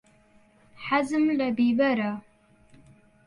حەزم لە بیبەرە.